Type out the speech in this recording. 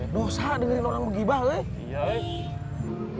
dosa dengerin orang menggibah